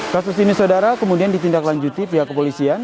kasus ini saudara kemudian ditindaklanjuti pihak kepolisian